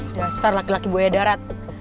menyasar laki laki buaya darat